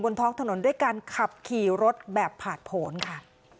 ท้องถนนด้วยการขับขี่รถแบบผ่านผลค่ะ